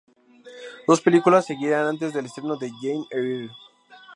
Dos películas seguirían antes del estreno de "Jane Eyre".